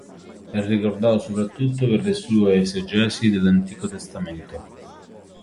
È ricordato soprattutto per le sue esegesi dell'Antico Testamento.